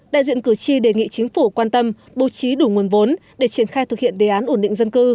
đại diện cử tri đề nghị chính phủ quan tâm bố trí đủ nguồn vốn để triển khai thực hiện đề án ổn định dân cư